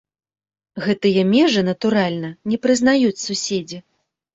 Гэтыя межы, натуральна, не прызнаюць суседзі.